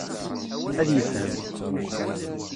Ad yefhem.